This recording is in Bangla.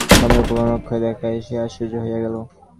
খামের উপরকার অক্ষর দেখায়াই সে আশ্চর্য হইয়া গেল।